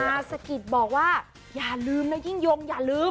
สะกิดบอกว่าอย่าลืมนะยิ่งยงอย่าลืม